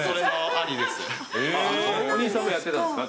お兄さんもやってたんですか？